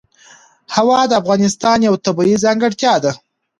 هوا د افغانستان یوه طبیعي ځانګړتیا ده.